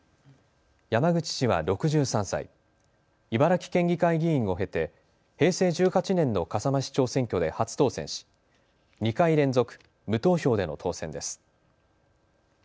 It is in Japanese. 茨城県議会議員を経て平成１８年の笠間市長選挙で初当選し２回連続、無投票での当選です。